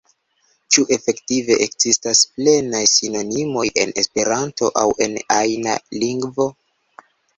Ĉu efektive ekzistas plenaj sinonimoj en Esperanto aŭ en ajna lingvo?